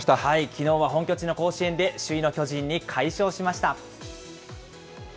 きのうは本拠地の甲子園で首位の巨人に快勝しました。